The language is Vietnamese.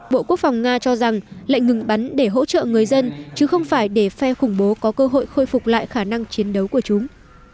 bộ quốc phòng nga cho rằng lệnh ngừng bắn để hỗ trợ người dân chứ không phải để phe khủng bố có cơ hội khôi phục lại khả năng chiến đấu của chúng